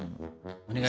お願い。